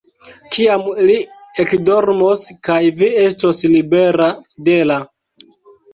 Kiam ili ekdormos kaj vi estos libera de la.